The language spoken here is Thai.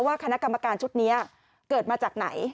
คณะกรรมการชุดนี้เกิดมาจากไหน